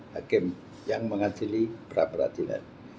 hakim yang mengajili pra peradilan